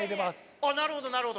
ああなるほどなるほど。